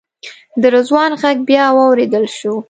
د رضوان غږ بیا واورېدل شو.